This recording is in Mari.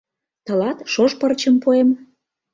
— Тылат шож пырчым пуэм.